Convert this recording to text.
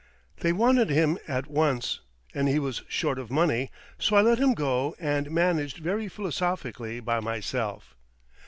They wanted him at once, and he was short of money, so I let him go and managed very philosophically by myself.